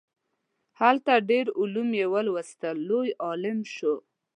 هلته ډیر علوم یې ولوستل لوی عالم شو.